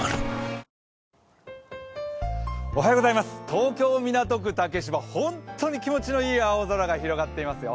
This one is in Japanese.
東京・港区竹芝ほんっとに気持ちのいい青空が広がっていますよ。